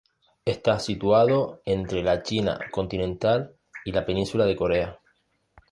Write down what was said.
Está situado entre la China continental y la península de Corea.